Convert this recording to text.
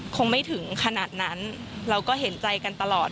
คงไม่ถึงขนาดนั้นเราก็เห็นใจกันตลอด